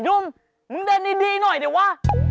ยุมมึงเดินดีหน่อยเดี๋ยววะ